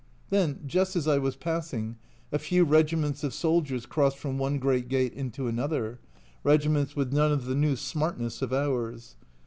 Then just as I was passing, a few regiments of soldiers crossed from one great gate into another regiments with none of the new smartness of ours.